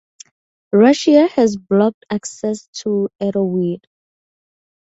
Russia has blocked access to Erowid.